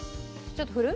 ちょっと振る？